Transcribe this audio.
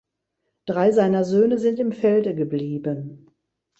Drei seiner Söhne sind im Felde geblieben.